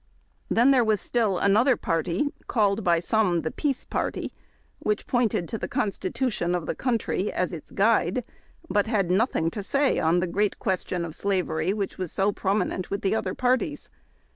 Then there was still another party, called by some the Peace Party., which pointed to the Constitu tion of the country as its guide, but had notliing to say on the great question of slavery, which was so prominent with the other parties.